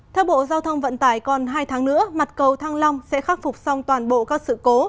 theo bộ giao thông vận tải còn hai tháng nữa mặt cầu thăng long sẽ khắc phục xong toàn bộ các sự cố